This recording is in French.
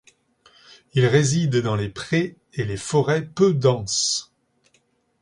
Il réside dans les prés et les forêts peu denses.